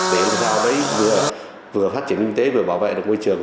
để được thảo lấy vừa phát triển kinh tế vừa bảo vệ được môi trường